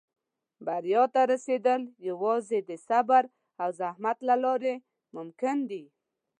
• بریا ته رسېدل یوازې د صبر او زحمت له لارې ممکن دي.